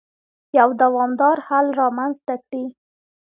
يو دوامدار حل رامنځته کړي.